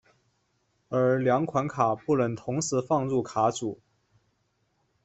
而两款卡不能同时放入卡组。